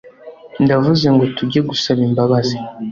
ndavuze ngo tujye gusaba imbabazi,